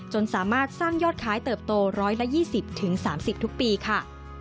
สามารถสร้างยอดขายเติบโต๑๒๐๓๐ทุกปีค่ะ